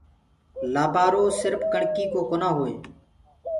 لآبآرو سِرڦ ڪڻڪي ڪوئي جونآ هوئي۔